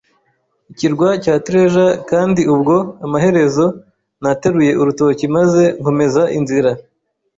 Ikirwa cya Treasure. Kandi ubwo, amaherezo, nateruye urutoki maze nkomeza inzira